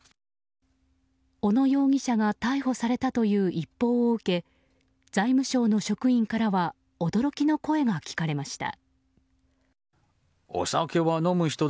小野容疑者が逮捕されたという一報を受け財務省の職員からは驚きの声が聞かれました。